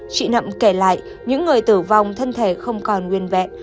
chị nậm kể lại những người tử vong thân thể không còn nguyên vẹn